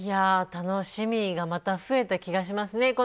楽しみがまた増えた気がしますね。